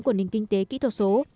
của nền kinh tế kỹ thuật số